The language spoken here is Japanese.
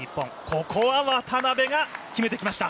ここは渡辺が決めてきました。